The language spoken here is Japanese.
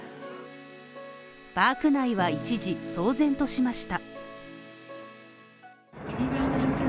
パーク内は一時騒然としました。